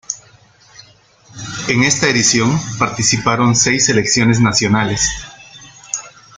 En esta edición participaron seis selecciones nacionales.